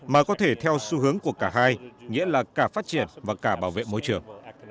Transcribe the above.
mà có thể theo xu hướng của cả hai nghĩa là cả phát triển và cả bảo vệ môi trường